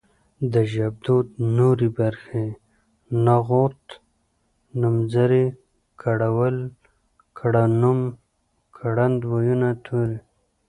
د ژبدود نورې برخې نغوت نومځری کړول کړنوم کړند وييونه توري